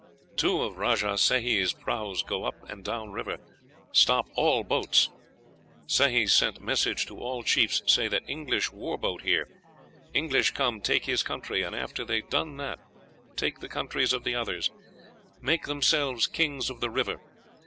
Two of Rajah Sehi's prahus go up and down river; stop all boats. Sehi send message to all chiefs; say that English war boat here. English come take his country, and after they done that take the countries of the others; make themselves kings of the river.